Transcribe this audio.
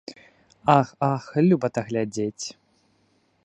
Ах, ах, любата глядзець!